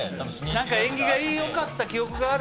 何か縁起が良かった記憶がある物を。